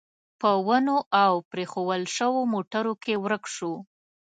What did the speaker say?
په ونو او پرېښوول شوو موټرو کې ورک شو.